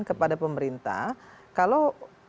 kepada pemerintah kalau